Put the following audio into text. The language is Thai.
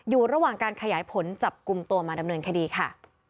อยู่ระหว่างการขยายผลจับกลุ่มตัวมาดำเนินคดีค่ะ